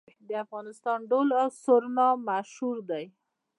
د افغانستان دهل او سرنا مشهور دي